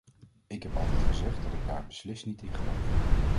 Ik heb altijd gezegd dat ik daar beslist niet in geloof.